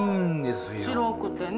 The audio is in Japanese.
広くてね。